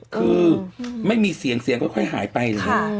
คือไม่มีเสียงก็ค่อยหายไปแหละ